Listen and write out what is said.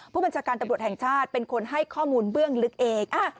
ผู้บัญชาการตำรวจแห่งชาติเป็นคนให้ข้อมูลเบื้องลึกเอง